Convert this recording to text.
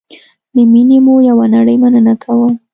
له میني مو یوه نړی مننه کوم